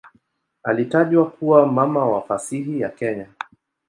Alitajwa kuwa "mama wa fasihi ya Kenya".